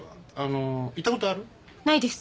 ないです。